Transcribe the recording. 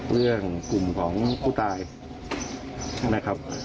กลุ่มของผู้ตายนะครับ